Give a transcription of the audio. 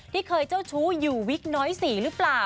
ที่เคยเจ้าชู้อยู่วิกน้อย๔หรือเปล่า